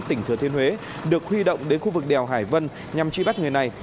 tỉnh thừa thiên huế được huy động đến khu vực đèo hải vân nhằm truy bắt người này